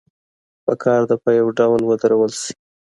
پکار ده په يو ډول ودرول سي.